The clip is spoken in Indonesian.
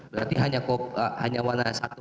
berarti hanya warna satu